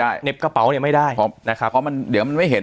ใช่เหน็บกระเป๋าเนี่ยไม่ได้ครับนะครับเพราะมันเดี๋ยวมันไม่เห็น